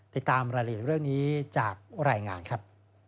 ติดตามรายละเอียดเรื่องนี้จากรายงานครับ